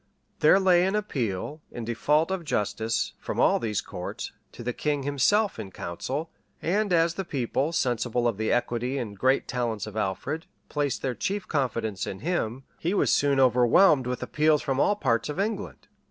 [* Ingulph. p. 870.] There lay an appeal, in default of justice, from all these courts, to the king himself in council; and as the people, sensible of the equity and great talents of Alfred, placed their chief confidence in him, he was soon overwhelmed with appeals from all parts of England.